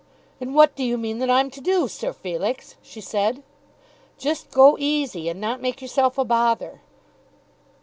"And what do you mean that I'm to do, Sir Felix?" she said. "Just go easy, and not make yourself a bother."